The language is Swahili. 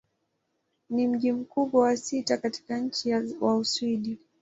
Ni mji mkubwa wa sita katika nchi wa Uswidi.